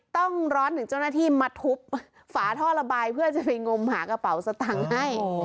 ต้องร้อนถึงเจ้าหน้าที่มาทุบฝาท่อระบายเพื่อจะไปงมหากระเป๋าสตังค์ให้